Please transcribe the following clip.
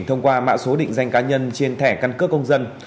thông qua mạng số định danh cá nhân trên thẻ căn cước công dân